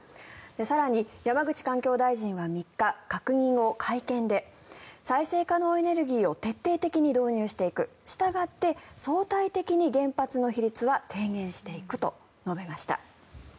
更に山口環境大臣は３日閣議後、会見で再生可能エネルギーを徹底的に導入していくしたがって相対的に原発の比率は低減していくと述べました。